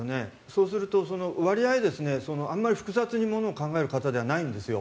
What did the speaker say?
そうすると割合、あまり複雑に物を考える方ではないんですよ。